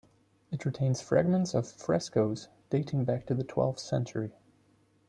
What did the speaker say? It retains fragments of frescoes dating back to the twelfth century.